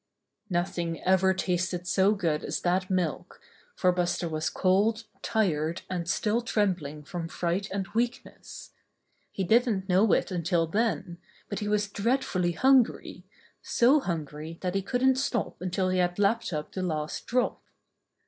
Nothing ever tasted so good as that milk, for Buster was cold, tired and still trembling from fright and weakness. He didn't know Buster is Carried Away by the Men 38 it until then, but he was dreadfully hungry, so hungry that he couldn't stop until he had lapped up the last drop.